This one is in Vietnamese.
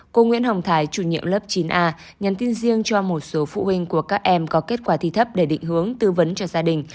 cô nguyễn hồng thái chủ nhiệm lớp chín a nhắn tin riêng cho một số phụ huynh của các em có kết quả thi thấp để định hướng tư vấn cho gia đình